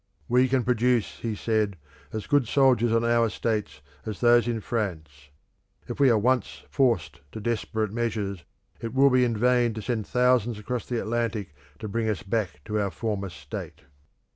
"We can produce," he said, "as good soldiers on our estates as those in France. If we are once forced to desperate measures, it will be in vain to send thousands across the Atlantic to bring us back to our former state."